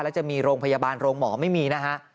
แล้วจะมีโรงพยาบาลโรงหมอไม่มีนะฮะ